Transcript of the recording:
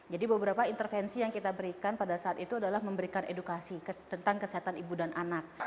jadi beberapa intervensi yang kita berikan pada saat itu adalah memberikan edukasi tentang kesehatan ibu dan anak